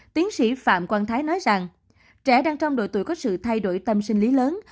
tiến sĩ phạm quang thái nói rằng trẻ đang trong độ tuổi có sự thay đổi tâm sinh lý lớn